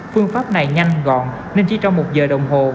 phương pháp này nhanh gọn nên chỉ trong một giờ đồng hồ